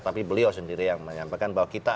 tapi beliau sendiri yang menyampaikan bahwa kita